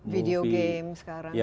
video game sekarang juga